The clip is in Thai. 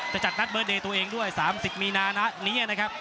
จะจัดนัดเบิร์ดเดย์ตัวเองด้วย๓๐มีนานะนี้นะครับ